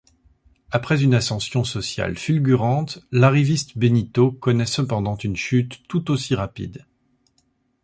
Après une ascension sociale fulgurante, l'arriviste Benito connaît cependant une chute tout aussi rapide.